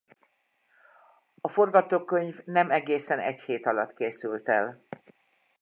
A forgatókönyv nem egészen egy hét alatt készült el.